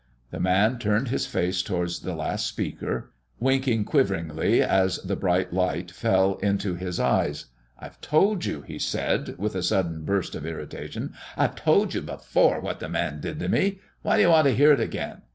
The man turned his face towards the last speaker, winking quiveringly as the bright light fell upon his eyes. "I've told you," he said, with a sudden burst of irritation "I've told you before what the Man did to me. Why do you want to hear it again?